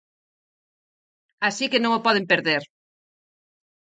Así que non o poden perder!